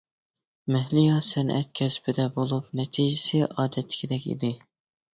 مەھلىيا سەنئەت كەسپىدە بولۇپ نەتىجىسى ئادەتتىكىدەك ئىدى.